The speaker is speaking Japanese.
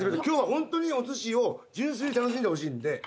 今日はホントにおすしを純粋に楽しんでほしいんで。